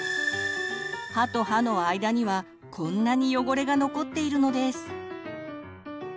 歯と歯の間にはこんなに汚れが残っているのです。